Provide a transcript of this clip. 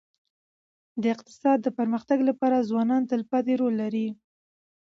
د اقتصاد د پرمختګ لپاره ځوانان تلپاتي رول لري.